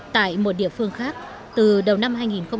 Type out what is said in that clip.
tại một địa phương khác từ đầu năm hai nghìn một mươi tám